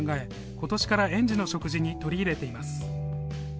今年から園児の食事に取り入れています。